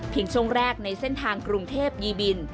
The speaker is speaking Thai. ช่วงแรกในเส้นทางกรุงเทพยีบิน